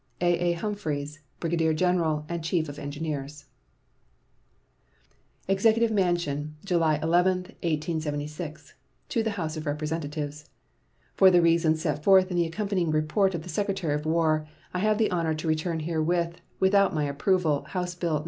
A.A. HUMPHREYS, Brigadier General and Chief of Engineers. EXECUTIVE MANSION, July 11, 1876. To the House of Representatives: For the reasons set forth in the accompanying report of the Secretary of War, I have the honor to return herewith without my approval House bill No.